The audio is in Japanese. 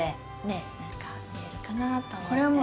ねえ何か見えるかなと思って。